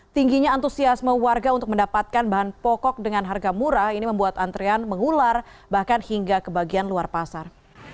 tingginya antusiasme warga untuk mendapatkan bahan pokok dengan harga murah ini membuat antrean mengular bahkan hingga ke bagian luar pasar